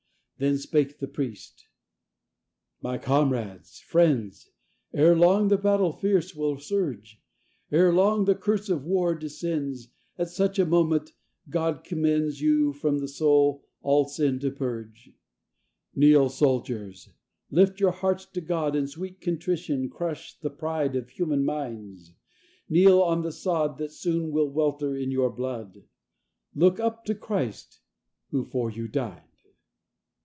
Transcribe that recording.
Then spake the priest: "My comrades, friends, Ere long the battle fierce will surge, Ere long the curse of war descends At such a moment God commends You from the soul all sin to purge. "Kneel, soldiers; lift your hearts to God, In sweet contrition crush the pride Of human minds; kneel on the sod That soon will welter in your blood Look up to Christ, who for you died."